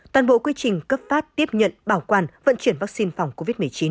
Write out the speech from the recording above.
toàn bộ quy trình cấp phát tiếp nhận bảo quản vận chuyển vaccine phòng covid một mươi chín